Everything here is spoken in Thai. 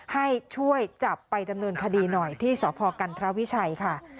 ให้ช่วยจับไปดำเนินคดีหน่อยที่สพกันทวิชัยค่ะ